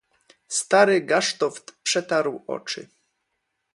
"Stary Gasztowt przetarł oczy."